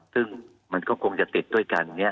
ซึ่งมันก็คงจะติดด้วยกัน